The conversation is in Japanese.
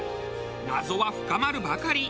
謎は深まるばかり。